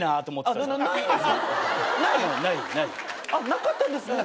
なかったんです？